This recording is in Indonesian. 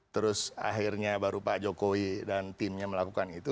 terus akhirnya baru pak jokowi dan timnya melakukan itu